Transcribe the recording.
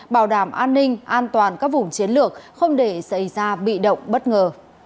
bảo đảm an ninh an toàn các vùng chiến lược không để xảy ra bị động bất ngờ